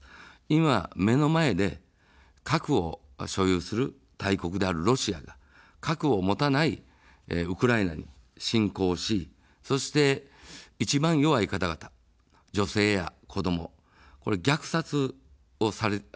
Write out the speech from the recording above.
今、目の前で核を所有する大国であるロシアが核を持たないウクライナに侵攻をし、そして、一番弱い方々、女性や子ども、虐殺を受けているわけですよ。